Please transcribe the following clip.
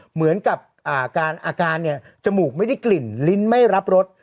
เหมือนกับอาการเนี่ยจมูกไม่ได้กลิ่นลิ้นไม่รับรส